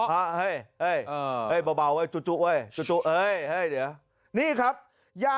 เฮ้ยเฮ้ยเฮ้ยเบาเฮ้ยจุ๊บไว้